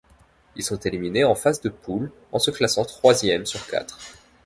Ils sont éliminés en phase de poule en se classant troisième sur quatre.